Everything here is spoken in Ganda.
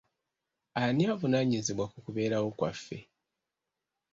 Ani avunaanyizibwa ku kubeerawo kwaffe?